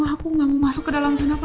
aku gak mau masuk ke dalam sana pak